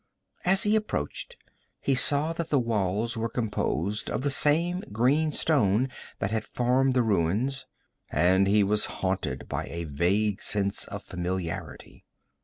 As he approached he saw that the walls were composed of the same green stone that had formed the ruins, and he was haunted by a vague sense of familiarity.